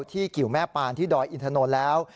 กิวแม่ปานที่ดอยอินทนนท์แล้ว